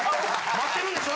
待ってるんでしょ？